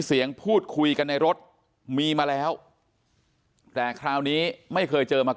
เสียงพูดคุยกันในรถมีมาแล้วแต่คราวนี้ไม่เคยเจอมา